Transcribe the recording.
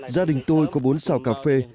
gia đình tôi có bốn xào cà phê